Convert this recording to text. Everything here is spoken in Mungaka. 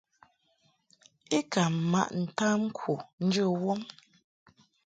I ka maʼ ntamku njə wɔm.